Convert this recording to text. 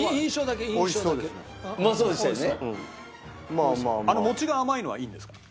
あの餅が甘いのはいいんですか？